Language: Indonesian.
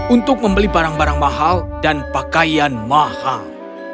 untuk membeli barang barang mahal dan pakaian mahal